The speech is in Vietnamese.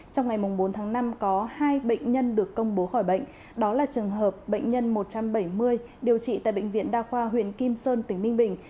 trong ngày bốn tháng năm có hai bệnh nhân được công bố khỏi bệnh đó là trường hợp bệnh nhân một trăm bảy mươi điều trị tại bệnh viện đa khoa huyện kim sơn tỉnh ninh bình